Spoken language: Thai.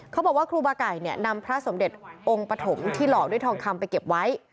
เขาบอกว่าครูบาไก่นำพระสมเด็จองค์ปฐมที่หล่อด้วยทองคำไปเก็บไว้